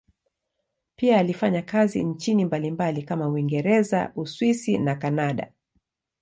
Pia alifanya kazi nchini mbalimbali kama Uingereza, Uswisi na Kanada.